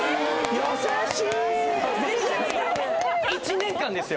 １年間ですよ